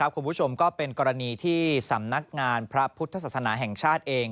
คุณผู้ชมก็เป็นกรณีที่สำนักงานพระพุทธศาสนาแห่งชาติเอง